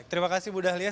terima kasih bu dalia